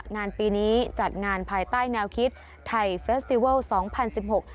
งานปีนี้จัดงานภายใต้แนวคิดไทยเฟสติเวิลสองพันสิบหก